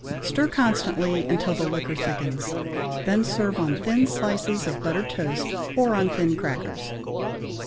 Stir constantly until the liquor thickens, then serve on thin slices of buttered toast or on thin crackers.